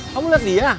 kamu lihat dia